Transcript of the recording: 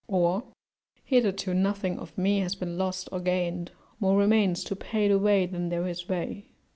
(Or): "Hitherto nothing of me has been lost or gained; more remains to pay the way than there is way."